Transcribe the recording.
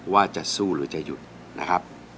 ว่าจะสู้หรือจะหยุดนะครับ